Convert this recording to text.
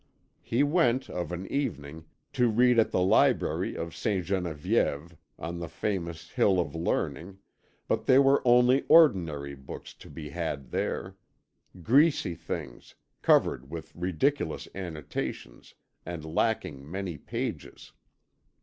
He went, of an evening, to read at the library of Ste. Geneviève on the famous hill of learning, but there were only ordinary books to be had there; greasy things, covered with ridiculous annotations, and lacking many pages.